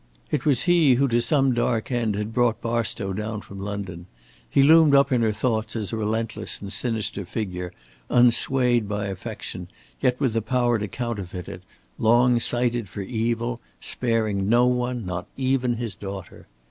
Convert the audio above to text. It was he who to some dark end had brought Barstow down from London. He loomed up in her thoughts as a relentless and sinister figure, unswayed by affection, yet with the power to counterfeit it, long sighted for evil, sparing no one not even his daughter.